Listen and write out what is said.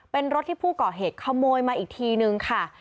เป็นรถที่ผู้ก่อเหตุขโมยมาอีกทีนึงค่ะ